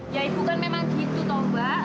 ya ibu kan memang gitu mbak